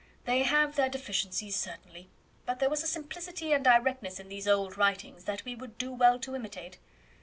"They have their deficiencies, certainly; but there was a simplicity and directness in these old writings that we would do well to imitate."